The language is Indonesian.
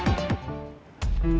buat putri aku